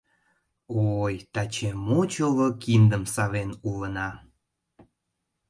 — О-ой, таче мо чоло киндым савен улына!